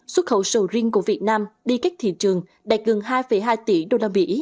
xuất khẩu sầu riêng của việt nam đi cách thị trường đạt gần hai hai tỷ usd